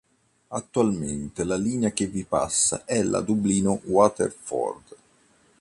Attualmente la linea che vi passa è la Dublino-Waterford.